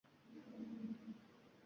Ey yaralmoq sirin ko’r voqiflari